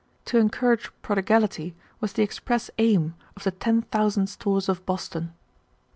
To encourage prodigality was the express aim of the ten thousand stores of Boston.